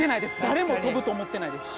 誰も跳ぶと思ってないです。